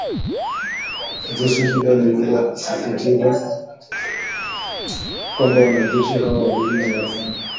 Jeshi hilo linasisitiza kwamba wanajeshi hao wawili ni wa Rwanda